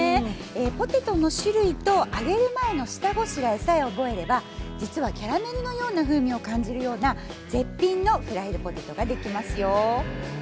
ポテトの種類と揚げる前の下ごしらえさえ覚えれば実はキャラメルのような風味を感じるような絶品のフライドポテトが出来ますよ。